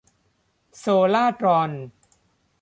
โซลาร์ตรอน